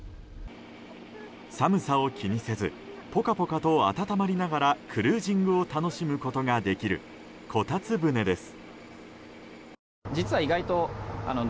寒さを気にせずポカポカと温まりながらクルージングを楽しむことができるこたつ船です。